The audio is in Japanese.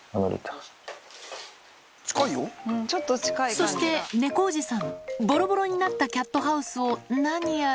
そして猫おじさん、ぼろぼろになったキャットハウスを何やら。